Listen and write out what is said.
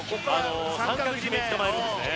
三角絞めつかまえるんですね